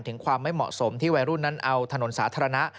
ถึงความไม่เหมาะสมที่วัยรุ่นนั้นเอาถนนสาธารณะ